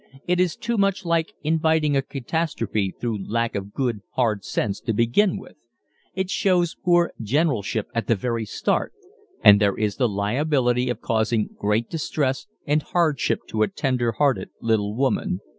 It is too much like inviting a catastrophe through lack of good, hard sense to begin with. It shows poor generalship at the very start and there is the liability of causing great distress and hardship to a tender hearted little woman.